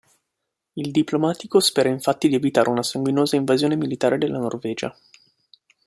Il diplomatico spera, infatti, di evitare una sanguinosa invasione militare della Norvegia.